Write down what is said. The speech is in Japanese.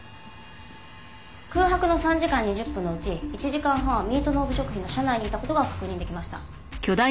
空白の３時間２０分のうち１時間半はミートノーブ食品の社内にいた事が確認できました。